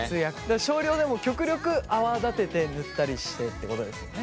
少量でも極力泡立てて塗ったりしてってことですよね。